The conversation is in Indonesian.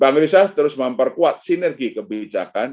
bank indonesia terus memperkuat sinergi kebijakan